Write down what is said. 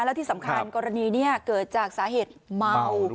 และที่สำคัญกรณีนี้เกิดจากสาเหตุเมา